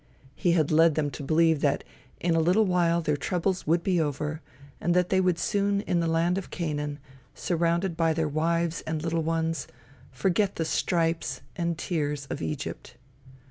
He had led them to believe that in a little while their troubles would be over, and that they would soon in the land of Canaan, surrounded by their wives and little ones, forget the stripes and tears of Egypt.